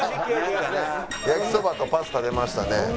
焼きそばとパスタ出ましたね。